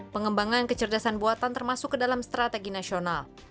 pengembangan kecerdasan buatan termasuk ke dalam strategi nasional